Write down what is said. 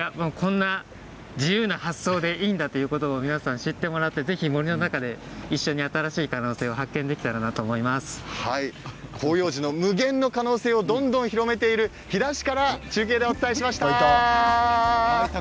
自由な発想でいいんだということを皆さんに知ってもらってぜひ森の中で一緒に新しい可能性を広葉樹の無限の可能性をどんどん広めている飛騨市から中継でお伝えしました。